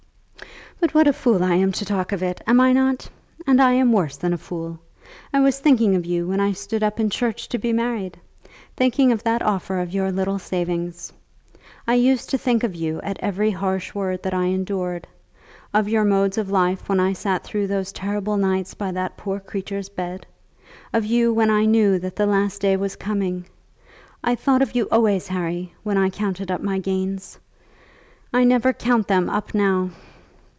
"But what a fool I am to talk of it; am I not? And I am worse than a fool. I was thinking of you when I stood up in church to be married; thinking of that offer of your little savings. I used to think of you at every harsh word that I endured; of your modes of life when I sat through those terrible nights by that poor creature's bed; of you when I knew that the last day was coming. I thought of you always, Harry, when I counted up my gains. I never count them up now.